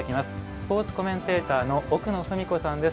スポーツコメンテーターの奥野史子さんです。